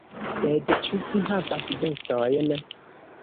Sed, ĉu vi havas bestojn?